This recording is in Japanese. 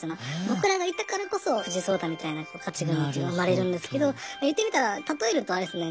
僕らがいたからこそ藤井聡太みたいな子たちが生まれるんですけど言ってみたら例えるとあれですね